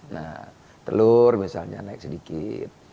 nah telur misalnya naik sedikit